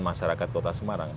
masyarakat kota semarang